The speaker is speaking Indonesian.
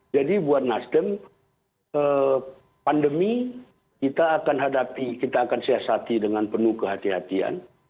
jadi buat nasdem pandemi kita akan hadapi kita akan siasati dengan penuh kehati hatian